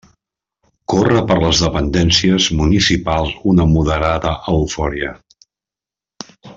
Corre per les dependències municipals una moderada eufòria.